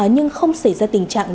nhưng không xảy ra tình trạng